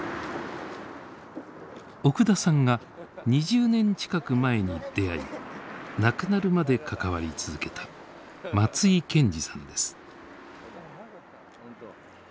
奥田さんが２０年近く前に出会い亡くなるまで関わり続けた松井さんです。